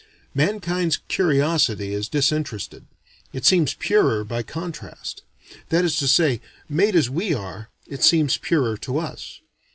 Mankind's curiosity is disinterested; it seems purer by contrast. That is to say, made as we are, it seems purer to us.